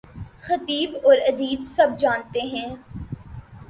خطیب و ادیب سب جانتے ہیں۔